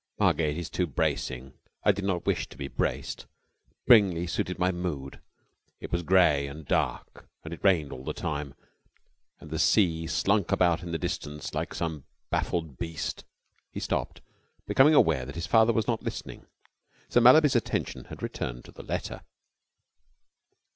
"Margate is too bracing. I did not wish to be braced. Bingley suited my mood. It was gray and dark, and it rained all the time, and the sea slunk about in the distance like some baffled beast...." He stopped, becoming aware that his father was not listening. Sir Mallaby's attention had returned to the letter.